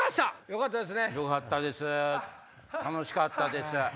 よかったです楽しかったです。